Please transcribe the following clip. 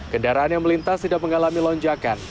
kendaraan yang melintas tidak mengalami lonjakan